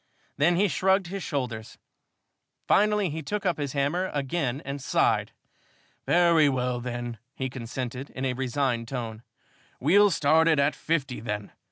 Then he shrugged his shoulders. Finally, he took up his hammer again and sighed. "Very well, then," he consented, in a resigned tone, "we'll start it at fifty, then.